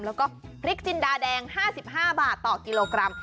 แล้วก็พริกจินดาแดง๕๕บาทต่อกิโลกรัม